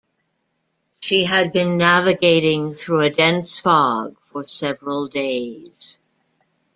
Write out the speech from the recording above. She had been navigating through a dense fog for several days.